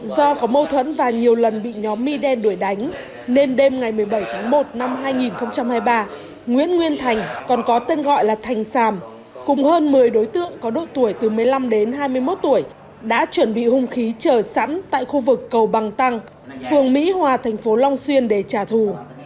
do có mâu thuẫn và nhiều lần bị nhóm mi đen đuổi đánh nên đêm ngày một mươi bảy tháng một năm hai nghìn hai mươi ba nguyễn nguyên thành còn có tên gọi là thành sàm cùng hơn một mươi đối tượng có độ tuổi từ một mươi năm đến hai mươi một tuổi đã chuẩn bị hung khí chờ sẵn tại khu vực cầu bằng tăng phường mỹ hòa thành phố long xuyên để trả thù